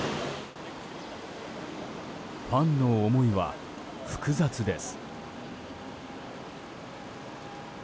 ファンの思いは複雑です。